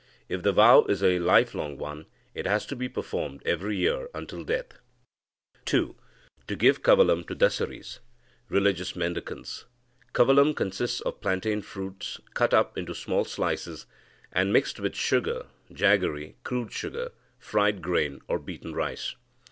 If the vow is a life long one, it has to be performed every year until death. (2) To give kavalam to Dasaris (religious mendicants). Kavalam consists of plantain fruits cut up into small slices, and mixed with sugar, jaggery (crude sugar), fried grain, or beaten rice.